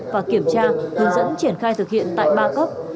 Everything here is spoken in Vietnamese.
và kiểm tra hướng dẫn triển khai thực hiện tại ba cấp